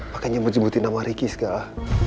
makanya nyebut nyebutin nama ricky segala